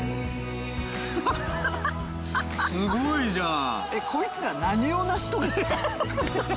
すごいじゃん！